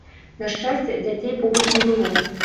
На шчасце, дзяцей побач не было.